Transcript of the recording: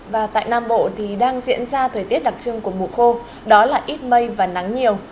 và tại nam bộ thì đang diễn ra thời tiết đặc trưng của mùa khô đó là ít mây và nắng nhiều